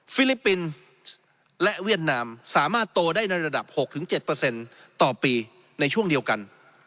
ฟินส์และเวียดนามสามารถโตได้ในระดับ๖๗ต่อปีในช่วงเดียวกัน